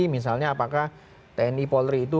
misalnya apakah tni polri itu